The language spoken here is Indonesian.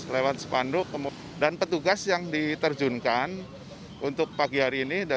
lewat sepanduk dan petugas yang diterjunkan untuk pagi hari ini